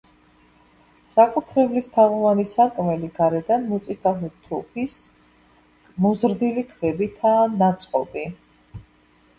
საკურთხევლის თაღოვანი სარკმელი გარედან მოწითალო ტუფის მოზრდილი ქვებითაა ნაწყობი.